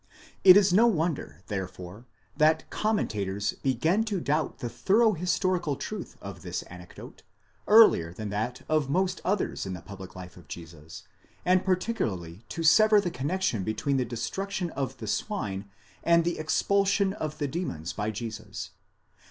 It is no wonder therefore that commentators began to doubt the thorough historical truth of this anecdote earlier than that of most others in the public life of Jesus, and particularly to sever the connexion between the destruction of the swine and the expulsion of the demons by Jesus.